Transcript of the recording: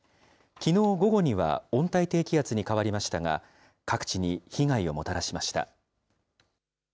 きのう午後には温帯低気圧に変わりましたが、各地に被害をもたらしました。